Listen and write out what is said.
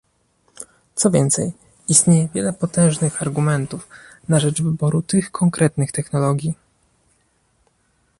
Co więcej, istnieje wiele potężnych argumentów na rzecz wyboru tych konkretnych technologii